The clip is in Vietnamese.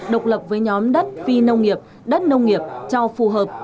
độc lập với nhóm đất phi nông nghiệp đất nông nghiệp cho phù hợp